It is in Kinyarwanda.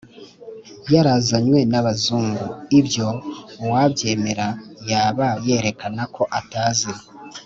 yarazanywe n'abazungu. ibyo uwabyemera, yaba yerekana ko atazi